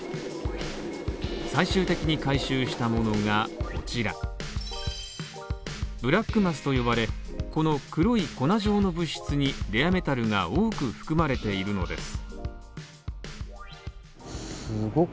最終的に回収したものがこちらブラックマスと呼ばれ、この黒い粉状の物質にレアメタルが多く含まれているのです。